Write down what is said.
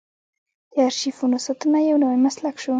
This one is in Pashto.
د ارشیفونو ساتنه یو نوی مسلک شو.